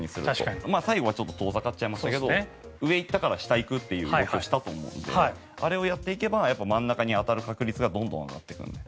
最後はちょっと遠ざかっちゃいましたけど上いったから下いくっていう動きをしたと思うんであれをやっていけばやっぱ真ん中に当たる確率がどんどん上がっていくんで。